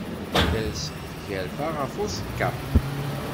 Ters tgerfa ɣef uẓekka.